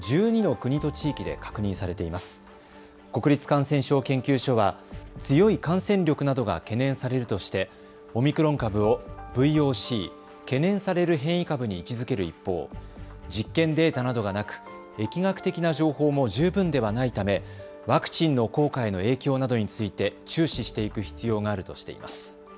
国立感染症研究所は強い感染力などが懸念されるとしてオミクロン株をＶＯＣ・懸念される変異株に位置づける一方、実験データなどがなく疫学的な情報も十分ではないためワクチンの効果への影響などについて注視していく必要があるとしています。